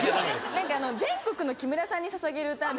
何か全国の木村さんにささげる歌で。